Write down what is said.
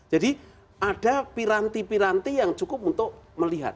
jadi ada piranti piranti yang cukup untuk melihat